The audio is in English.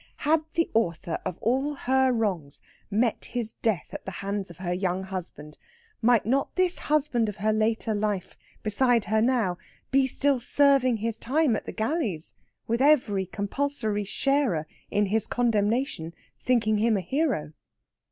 Had the author of all her wrongs met his death at the hands of her young husband, might not this husband of her later life beside her now be still serving his time at the galleys, with every compulsory sharer in his condemnation thinking him a hero?